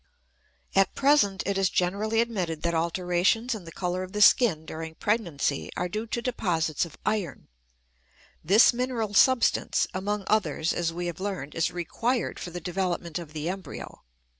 At present it is generally admitted that alterations in the color of the skin during pregnancy are due to deposits of iron. This mineral substance, among others, as we have learned, is required for the development of the embryo.